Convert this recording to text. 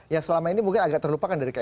yang selama ini mungkin agak terlupakan dari